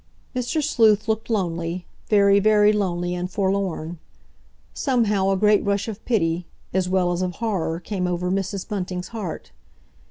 Mr. Sleuth looked lonely, very, very lonely and forlorn. Somehow, a great rush of pity, as well as of horror, came over Mrs. Bunting's heart.